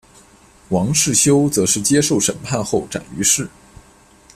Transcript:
王世修则是接受审判后斩于市。